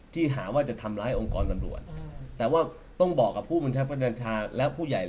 ที่หาว่าจะทำร้ายองค์กรทรัพย์